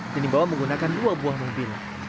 dan dibawa menggunakan dua buah mumpin